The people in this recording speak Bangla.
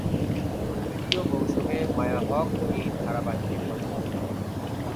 তৃতীয় মৌসুমে মায়া হক এই ধারাবাহিকে যোগ দেন।